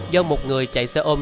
do một người chạy xe ôm